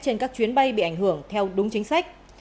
trên các chuyến bay bị ảnh hưởng theo đúng chính sách